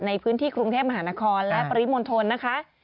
ในพื้นที่กรุงเทศมหานครและปริมนต์ธนตร์นะคะ